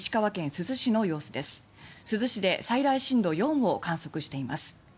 珠洲市で最大震度４を観測しています。